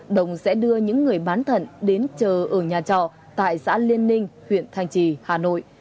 đồng sẽ đưa những người bán thận đến chờ ở nhà trọ tại xã liên ninh huyện thanh trì hà nội